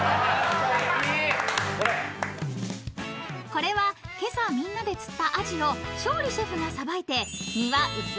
［これは今朝みんなで釣ったアジを勝利シェフがさばいて身は薄切りに］